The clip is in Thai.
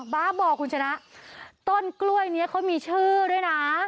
บ้าบ่อคุณชนะต้นกล้วยนี้เขามีชื่อด้วยนะ